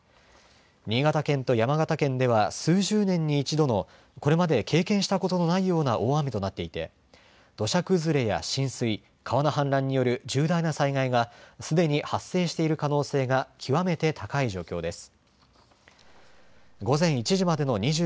新潟県と山形県では数十年に一度のこれまで経験したことのないような大雨となっていて土砂崩れや浸水川の氾濫による重大な災害がすでに発生している可能性が極めて高い状況です。